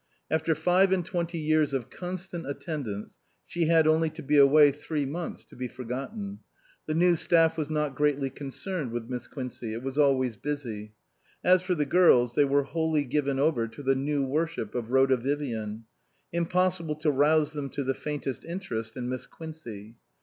After five and twenty years of con stant attendance she had only to be away three months to be forgotten. The new staff was not greatly concerned with Miss Quincey ; it was always busy. As for the girls, they were wholly given over to the new worship of Rhoda Vivian ; impossible to rouse them to the faintest interest in Miss Quincey.